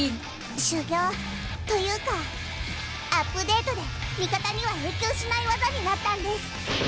修行というかアップデートで味方には影響しない技になったんです。